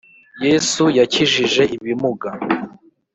Yesu yakijije ibimuga.